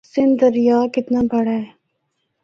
سندھ دریا کتنا بڑا ہے۔